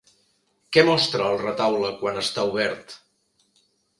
Què mostra el retaule quan està obert?